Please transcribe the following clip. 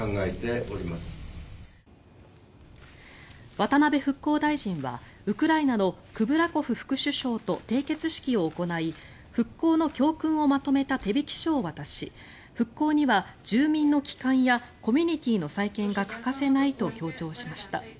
渡辺復興大臣はウクライナのクブラコフ副首相と締結式を行い復興の教訓をまとめた手引き書を渡し復興には住民の帰還やコミュニティーの再建が欠かせないと強調しました。